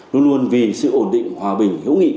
luôn luôn vì sự ổn định hòa bình hữu nghị